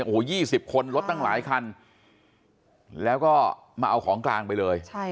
โอ้โห๒๐คนรถตั้งหลายคันแล้วก็มาเอาของกลางไปเลย